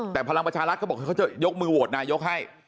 แต่พลังประชารัฐเขาบอกเขาจะยกมือโหวตนายกให้